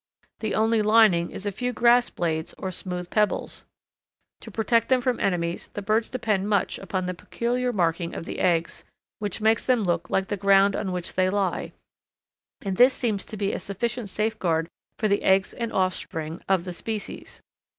The only lining is a few grass blades or smooth pebbles. To protect them from enemies the birds depend much upon the peculiar marking of the eggs, which makes them look like the ground on which they lie, and this seems to be a sufficient safeguard for the eggs and offspring of the species.